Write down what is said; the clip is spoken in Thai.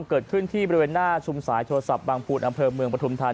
เกิดขึ้นที่บริเวณหน้าชุ่มสายทวสับบางภูตอันเภอะไร